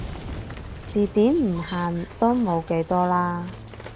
字典唔限都冇幾多啦